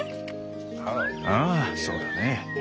ああそうだね。